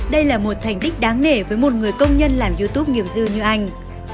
đây là một thành tích đáng nể với một người công nhân làm youtube nghiêm dư như anh